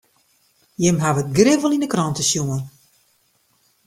Jimme hawwe it grif al yn de krante sjoen.